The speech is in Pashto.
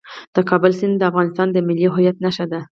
د کابل سیند د افغانستان د ملي هویت نښه ده.